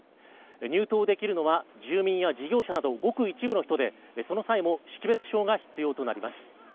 入島できるのは、住民や事業者などごく一部の人でその際も識別証が必要となります。